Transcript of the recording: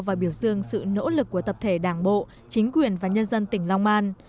và biểu dương sự nỗ lực của tập thể đảng bộ chính quyền và nhân dân tỉnh long an